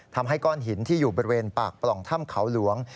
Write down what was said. ทำให้ก้อนหินที่อยู่บริเวณปากปล่องถ้ำเขาหลวง